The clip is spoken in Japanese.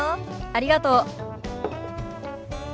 ありがとう。